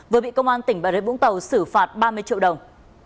vừa bị công an tỉnh bà rê vũng tàu xử phạt ba mươi triệu đồng